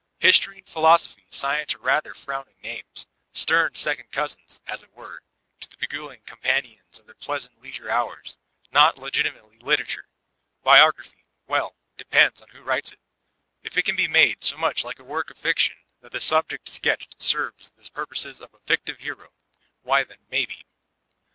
History, philosophy, science are rather frowning names, — stem second cousins, as it were, to the beguiling companions of their pleasant leisure hours, — not legitimately •literature." Biography, — ^well, it depends on who writes it I If it can be made so much like a work of fiction that the subject sketched serves the purposes of a fictive hero, why then — maybe.